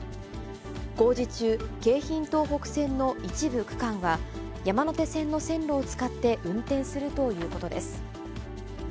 工事中、京浜東北線の一部区間は、山手線の線路を使って運転するということです。